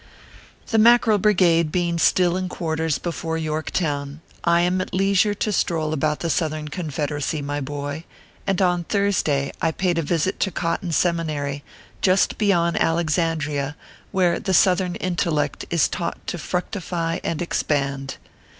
The Mackerel Brigade being still in quarters before Yorktown, I am at leisure to stroll about the South ern Confederacy, my boy ; and on Thursday I paid a visit to Cotton Seminary, just beyond Alexandria, where the Southern intellect is taught to fructify and expand.